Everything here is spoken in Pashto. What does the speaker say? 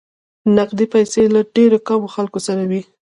نقدې پیسې له ډېرو کمو خلکو سره وې.